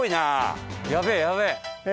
やべえやべえ。